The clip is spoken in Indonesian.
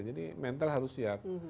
jadi mental harus siap